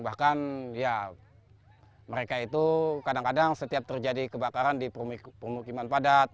bahkan ya mereka itu kadang kadang setiap terjadi kebakaran di permukiman padat